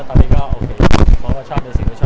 ตอนนี้ก็โอเคเพราะว่าชอบนี้สิ